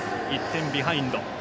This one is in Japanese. １点ビハインド。